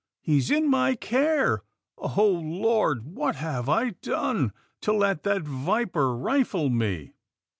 He's in my care — Oh Lord! what have I done to let that viper rifle me?"